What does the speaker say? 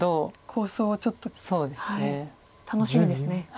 構想がちょっと楽しみですね。